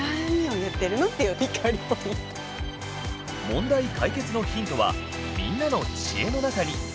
問題解決のヒントはみんなの知恵の中に。